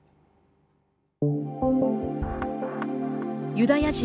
ユダヤ人